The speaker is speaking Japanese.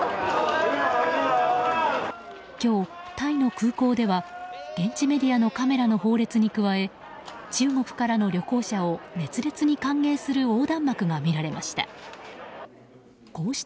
今日、タイの空港では現地メディアのカメラの砲列に加え中国からの旅行者を熱烈に歓迎する横断幕が見られました。